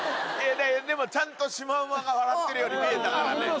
でもちゃんとシマウマが笑ってるように見えたからね。